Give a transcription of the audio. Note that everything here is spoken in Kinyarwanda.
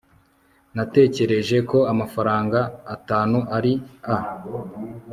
natekereje ko amafaranga atanu ari a